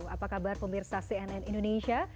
apa kabar pemirsa cnn indonesia